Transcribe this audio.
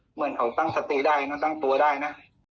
เหมือนเขาตั้งสติได้นะตั้งตัวได้นะ